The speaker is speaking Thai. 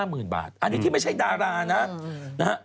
จากกระแสของละครกรุเปสันนิวาสนะฮะ